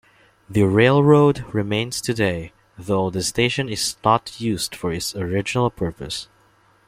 The railroad remains today, though the station is not used for its original purpose.